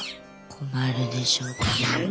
困るでしょって。